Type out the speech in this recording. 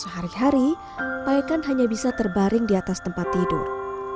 sehari hari paekan hanya bisa terbaring di atas tempat tidur